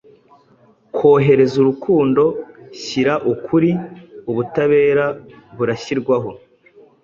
Kohereza urukundo, shyira ukuri, ubutabera burashyirwaho